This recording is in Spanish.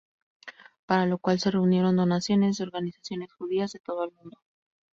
Para lo cual se reunieron donaciones de organizaciones judías de todo el mundo.